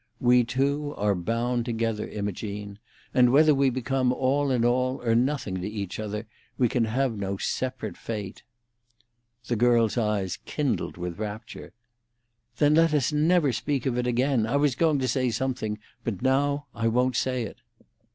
We two are bound together, Imogene, and whether we become all in all or nothing to each other, we can have no separate fate." The girl's eyes kindled with rapture. "Then let us never speak of it again. I was going to say something, but now I won't say it."